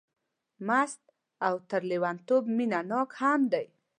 مست او تر لېونتوب مینه ناک هم دی.